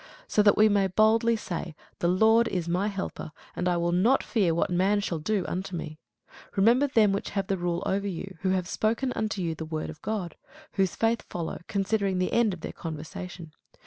So that we may boldly say, The Lord is my helper, and I will not fear what man shall do unto me. Remember them which have the rule over you, who have spoken unto you the word of God: whose faith follow, considering the end of their conversation.